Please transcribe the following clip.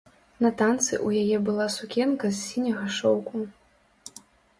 На танцы ў яе была сукенка з сіняга шоўку.